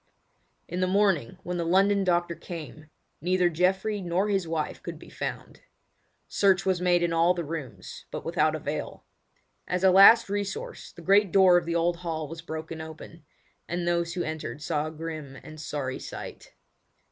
In the morning when the London doctor came, neither Geoffrey nor his wife could be found. Search was made in all the rooms, but without avail. As a last resource the great door of the old hall was broken open, and those who entered saw a grim and sorry sight.